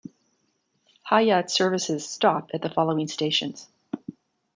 "Hayate" services stop at the following stations.